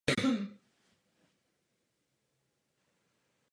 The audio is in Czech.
Album bylo vřele přijato u kritiků a dosáhlo velkého komerčního úspěchu.